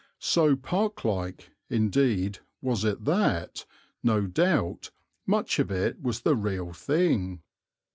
So "park like," indeed, was it that, no doubt, much of it was the real thing.